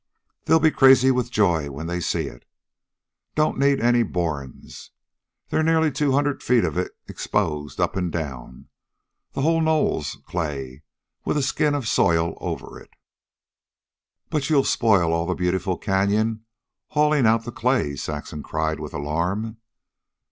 They'll be crazy with joy when they see it. Don't need any borin's. They's nearly two hundred feet of it exposed up an' down. The whole knoll's clay, with a skin of soil over it." "But you'll spoil all the beautiful canyon hauling out the clay," Saxon cried with alarm.